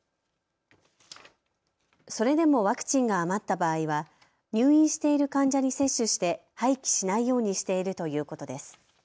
それでもワクチンが余った場合は入院している患者に接種して廃棄しないようにしているということです。